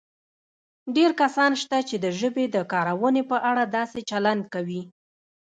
ډېر کسان شته چې د ژبې د کارونې په اړه داسې چلند کوي